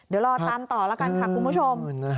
เดี๋ยวรอตามต่อแล้วกันค่ะคุณผู้ชม